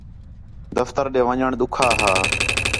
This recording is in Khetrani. دفتر ݙے ون٘ڄݨ ݙُکّھا ہا